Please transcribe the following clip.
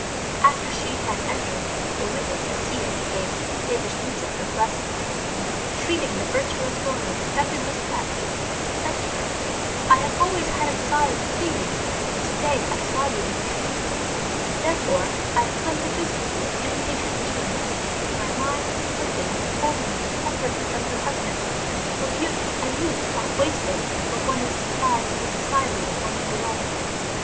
After she had entered, the wicked as cetic gave Devasmita her blessing, and, treating the virtuous woman with affected respect, said to her, " I have always had a desire to see you, but to day I saw you in a dream, therefore I have come to visit you with impatient eagerness ; and my mind is afflicted at beholding you separated from your husband, for beauty and youth are wasted when one is deprived of the society of one's beloved."